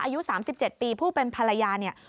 อายุ๓๗ปีผู้เป็นภรรยาเนี่ย